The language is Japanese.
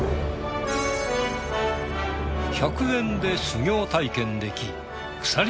１００円で修行体験できくさり